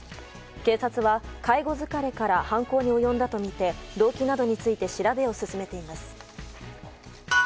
警察は、介護疲れから犯行に及んだとみて動機などについて調べを進めています。